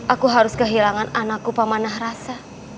aku harus kehilangan anakku pemanah rasa